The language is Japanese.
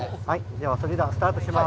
では、それではスタートします。